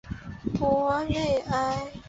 博内埃。